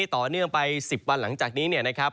ต่อเนื่องไป๑๐วันหลังจากนี้เนี่ยนะครับ